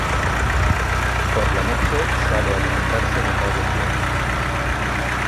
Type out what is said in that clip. Por la noche sale a alimentarse de tallos y hojas.